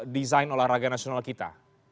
desain olahraga nasional kita